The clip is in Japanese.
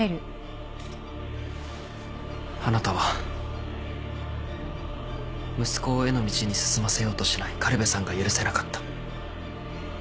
あなたは息子を絵の道に進ませようとしない苅部さんが許せなかった。